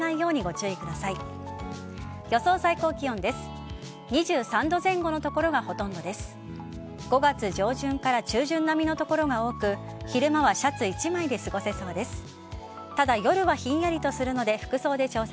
明日です。